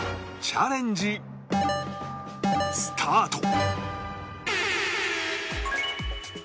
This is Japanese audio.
チャレンジスタート！